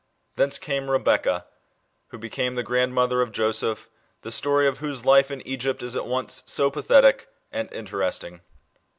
Thence came Rebekah, who became the grand mother of Joseph, the story of whose life in Egypt is at once so pathetic and interesting.